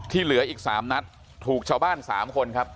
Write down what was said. เหลืออีก๓นัดถูกชาวบ้าน๓คนครับ